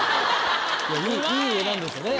いい絵なんですね。